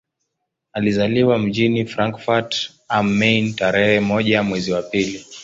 Alizaliwa mjini Frankfurt am Main tarehe moja mwezi wa pili